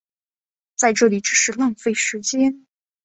在这里只是浪费时间